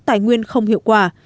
tài nguyên không hiệu quả